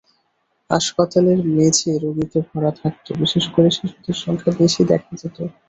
হাসপাতালের মেঝে রোগীতে ভরা থাকত, বিশেষ করে শিশুদের সংখ্যা বেশি দেখা যেত।